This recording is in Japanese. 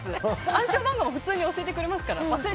暗証番号も普通に教えてくれますから。